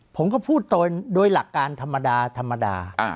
ผมก็พูดโดยหลักการธรรมดาธรรมดา